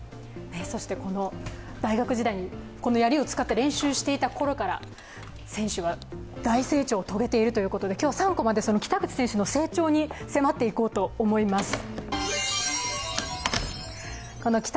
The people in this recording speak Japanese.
そして大学時代にこのやりを使って練習していたころから選手は大成長を遂げているということで今日、３コマで北口選手の成長に迫っていきたいと思います。